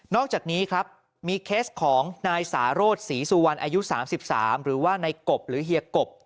อกจากนี้ครับมีเคสของนายสารสศรีสุวรรณอายุ๓๓หรือว่านายกบหรือเฮียกบ